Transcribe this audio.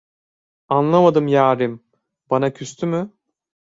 Anlamadım yârim bana küstü mü?